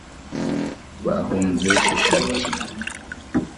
bahunze Shishaki.